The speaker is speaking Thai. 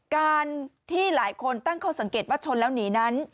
การที่หลายคนตั้งข้อสังเกตว่าชนแล้วหนีนั้น